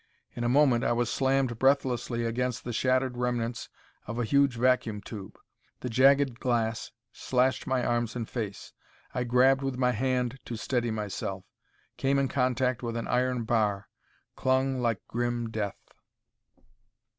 In a moment I was slammed breathlessly against the shattered remnants of a huge vacuum tube. The jagged glass slashed my arms and face. I grabbed with my hand to steady myself; came in contact with an iron bar: clung like grim death.